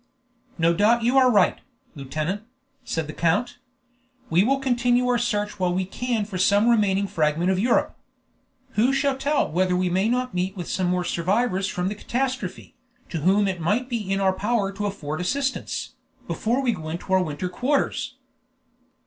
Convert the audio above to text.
"No doubt you are right, lieutenant," said the count. "We will continue our search while we can for some remaining fragment of Europe. Who shall tell whether we may not meet with some more survivors from the catastrophe, to whom it might be in our power to afford assistance, before we go into our winter quarters?"